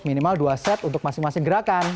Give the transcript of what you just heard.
minimal dua set untuk masing masing gerakan